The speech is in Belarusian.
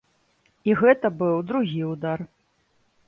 І гэта быў другі ўдар.